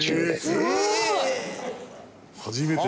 すごい！